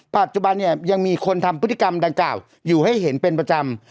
ปัจจุบันเนี่ยยังมีคนทำพฤติกรรมดังกล่าวอยู่ให้เห็นเป็นประจำ